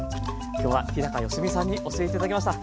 今日は日良実さんに教えて頂きました。